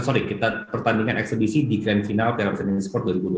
oh maaf pertandingan ekstremis di grand final pprs nainsport dua ribu dua puluh